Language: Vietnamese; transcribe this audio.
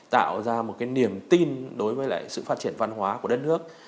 tạo ra một cái niềm tin đối với lại sự phát triển văn hóa của đất nước